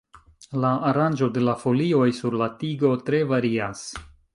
La aranĝo de la folioj sur la tigo tre varias.